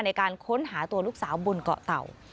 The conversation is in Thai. ในการค้นหาตัวลูกสาวบนเกาะเต่า